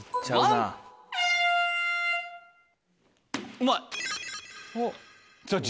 うまい！